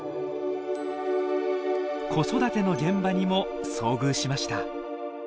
子育ての現場にも遭遇しました。